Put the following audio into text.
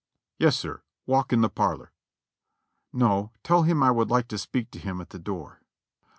"Yes'r, walk in the parlor." "No, tell him I would like to speak to him at the door."